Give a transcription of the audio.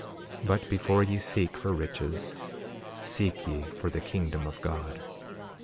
2:18 But before ye seek for riches, seek ye for the kingdom of God.